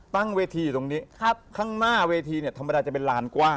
ตั้งเวทีอยู่ตรงนี้ข้างหน้าเวทีเนี่ยธรรมดาจะเป็นลานกว้าง